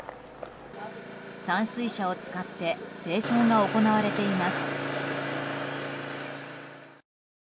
散水車を使って清掃が行われています。